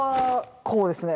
こうですね。